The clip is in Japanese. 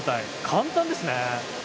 簡単ですね。